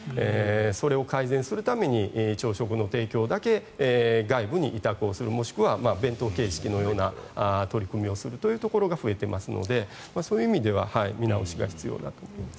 それを改善するために朝食の提供だけ外部に委託をするもしくは弁当形式のような取り組みをするというところが増えていますのでそういう意味では見直しが必要だと思います。